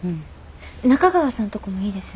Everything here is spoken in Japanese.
中川さんとこもいいです。